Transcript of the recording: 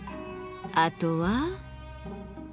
あとは？